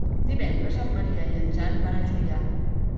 Divendres en Maria i en Jan van a Juià.